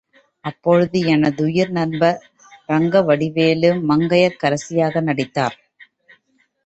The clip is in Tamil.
அப்போது எனதுயிர் நண்பர் ரங்கவடிவேலு, மங்கையர்க்கரசியாக நடித்தார்.